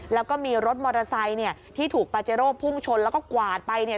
แล้วก็มีรถมอเตอร์ไซค์เนี่ยที่ถูกปาเจโร่พุ่งชนแล้วก็กวาดไปเนี่ย